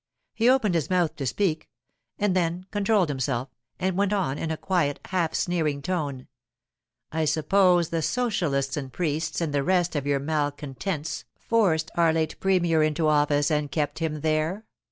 He opened his mouth to speak, and then controlled himself and went on in a quiet, half sneering tone— 'I suppose the socialists and priests and the rest of your malcontents forced our late premier into office and kept him there.